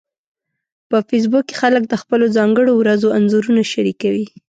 په فېسبوک کې خلک د خپلو ځانګړو ورځو انځورونه شریکوي